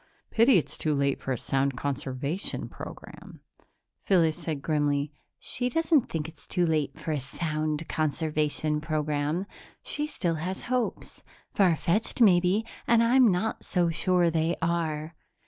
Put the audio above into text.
Pity it's too late for a sound conservation program." Phyllis said grimly, "She doesn't think it's too late for a sound conservation program. She still has hopes far fetched, maybe, and I'm not so sure they are.